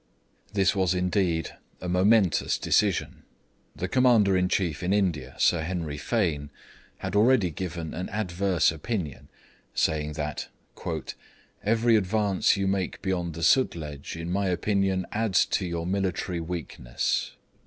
This was indeed a momentous decision. The Commander in Chief in India, Sir Henry Fane, had already given an adverse opinion, saying that 'every advance you make beyond the Sutlej in my opinion adds to your military weakness.'